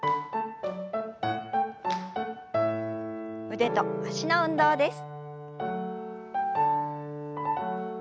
腕と脚の運動です。